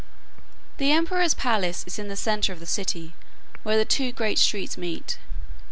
The emperor's palace is in the centre of the city where the two great streets meet.